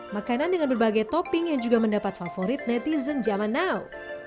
makanan dengan berbagai topping yang juga mendapat favorit netizen zaman now